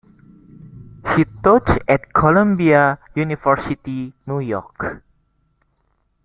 He taught at Columbia University, New York.